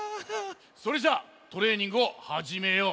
それじゃあトレーニングをはじめよう。